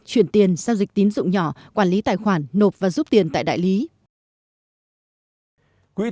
chuyển tiền giao dịch tín dụng nhỏ quản lý tài khoản nộp và giúp tiền tại đại lý